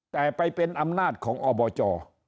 แต่ไปเป็นอำนาจของอบจ